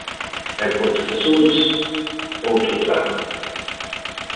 E en Pontecesures, outro drama.